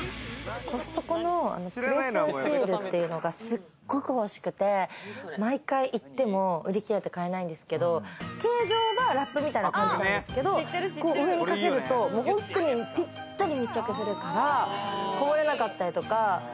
コストコのプレスンシールというのがすごく欲しくて、毎回行っても、売り切れて買えないんですけれど、形状はラップみたいな感じなんですけれども、上にかけると、ぴったり密着されるから、こぼれなかったりとか。